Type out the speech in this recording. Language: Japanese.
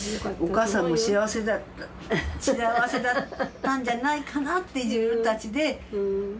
お母さんも幸せだったんじゃないかなって自分たちで思うのよね。